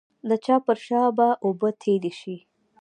د چا پر شا به اوبه تېرې شي.